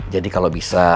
jadi kalau bisa